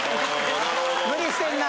無理してんな。